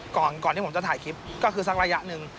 ก่อนที่ผมจะถ่ายคลิปก็คือสักระยะหนึ่ง